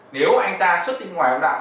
nếu anh ta suất tinh ngoài ông đạo